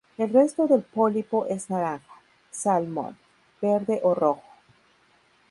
El resto del pólipo es naranja, salmon, verde o rojo.